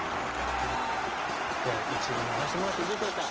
では一度流してもらっていいでしょうか？